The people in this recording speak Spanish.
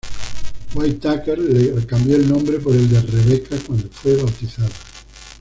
Whitaker le cambió el nombre por el de "Rebecca" cuando fue bautizada.